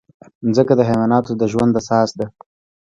مځکه د حیواناتو د ژوند اساس ده.